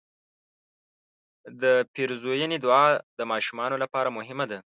د پیرزوینې دعا د ماشومانو لپاره مهمه ده.